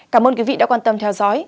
cảm ơn quý vị đã quan tâm theo dõi